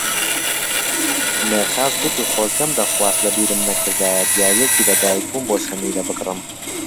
مێرخاس گوتی خۆزگەم دەخواست لەبیرم نەکردایە دیارییەکی لەدایکبوون بۆ سەمیرە بکڕم.